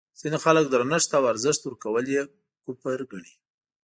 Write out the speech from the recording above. ځینې خلک درنښت او ارزښت ورکول یې کفر ګڼي.